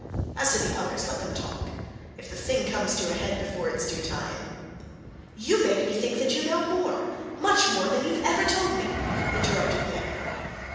As to the others, let them talk! If the thing comes to a head before its due time " "You make me think that you know more much more! than you've ever told me!" interrupted Mary.